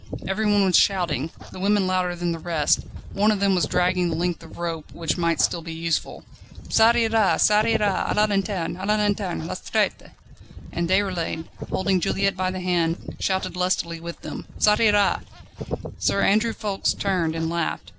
Everyone was shouting; the women louder than the rest; one of them was dragging the length of rope, which might still be useful. "Ça ira! ça ira! A la lanterne! A la lanterne! les traîtres!" And Déroulède, holding Juliette by the hand, shouted lustily with them: "Ça ira!" Sir Andrew Ffoulkes turned, and laughed.